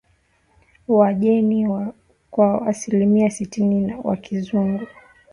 wa jeni kwa asilimia sitini ni wa Kizungu